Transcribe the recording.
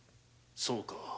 そうか。